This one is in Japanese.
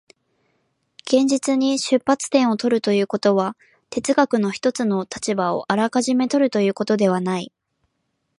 現実に出発点を取るということは、哲学の一つの立場をあらかじめ取るということではない。